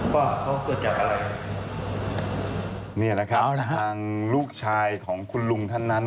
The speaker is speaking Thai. ว่าเขาเกิดจากอะไรเนี่ยนะครับทางลูกชายของคุณลุงท่านนั้น